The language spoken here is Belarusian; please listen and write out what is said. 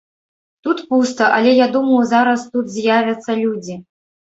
Тут пуста, але я думаю, зараз тут з'явяцца людзі.